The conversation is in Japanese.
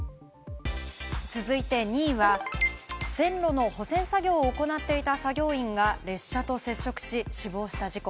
続いて２位は、線路の保線作業を行っていた作業員が列車と接触し、死亡した事故。